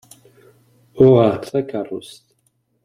Uɣeɣ-d takerrust.